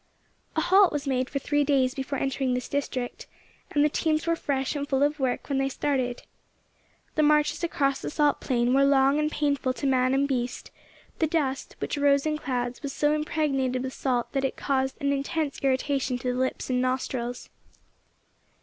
A halt was made for three days before entering this district, and the teams were fresh and full of work when they started. The marches across the salt plain were long and painful to man and beast; the dust, which rose in clouds, was so impregnated with salt that it caused an intense irritation to the lips and nostrils.